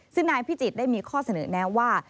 ซึ่งนายพิจิตรได้มีข้อเสนอแนะว่า